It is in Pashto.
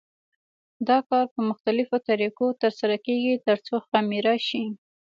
دا کار په مختلفو طریقو تر سره کېږي ترڅو خمېره شي.